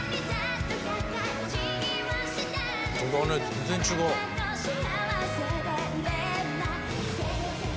全然違う。